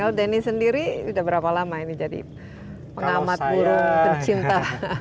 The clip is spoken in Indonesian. kalau denny sendiri sudah berapa lama ini jadi pengamat burung pencinta